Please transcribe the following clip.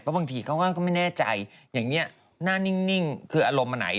บางทีเขาก็ไม่แน่ใจอย่างนี้หน้านิ่งคืออารมณ์อันไหน